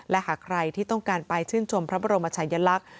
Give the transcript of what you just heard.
และหากใครที่ต้องการไปชื่นชมพระบรมชายลักษณ์